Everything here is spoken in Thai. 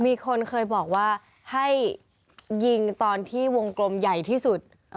มีคนเคยบอกว่าให้ยิงตอนที่วงกลมใหญ่ที่สุด